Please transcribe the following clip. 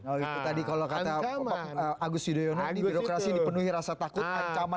oh itu tadi kalau kata agus yudhoyono ini birokrasi dipenuhi rasa takut ancaman